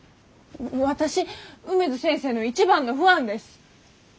私梅津先生の一番のファンです。